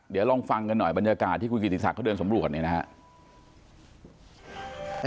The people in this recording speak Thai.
เดี๋ยวลองฟังกันหน่อยบรรยากาศที่คุยกิจศักดิ์เขาเดินสมบูรณ์กับนี้นะฮะ